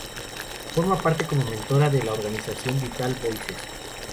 Forma parte como mentora de la organización Vital Voices.